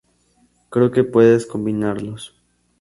Creo que puedes combinarlos.